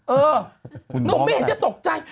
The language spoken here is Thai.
เออหนุ่มไม่เห็นจะตกใจ